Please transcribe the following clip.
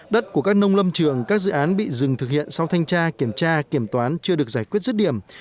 đất của các nông lâm trường các dự án bị dừng thực hiện sau thanh tra kiểm tra kiểm toán chưa được giải quyết rứt điểm